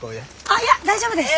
あっいや大丈夫です。